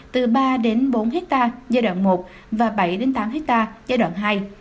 từ ba bốn hectare giai đoạn một và bảy tám hectare giai đoạn hai